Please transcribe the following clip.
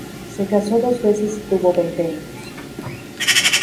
Se casó dos veces y tuvo veinte hijos.